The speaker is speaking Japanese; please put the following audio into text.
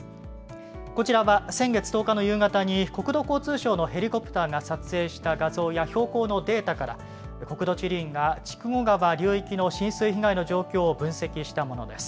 こちらは、先月１０日の夕方に国土交通省のヘリコプターが撮影した画像や標高のデータから国土地理院が筑後川流域の浸水被害の状況を分析したものです。